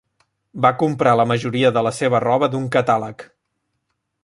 Va comprar la majoria de la seva roba d'un catàleg